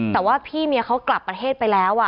แต่ว่าพี่เมียเขากลับประเทศไปแล้ว